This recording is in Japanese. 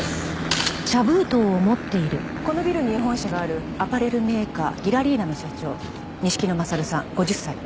このビルに本社があるアパレルメーカーギラリーナの社長錦野勝さん５０歳。